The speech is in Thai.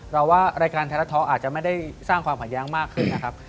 เราว่ารายการแทรกท้ออาจจะไม่ได้สร้างความขย้างมากขึ้นนะครับ